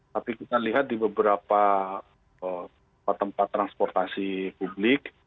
tapi kita lihat di beberapa tempat transportasi publik